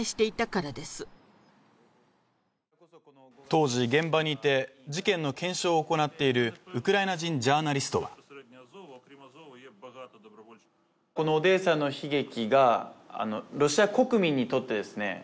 当時現場にいて事件の検証を行っているウクライナ人ジャーナリストはこのオデーサの悲劇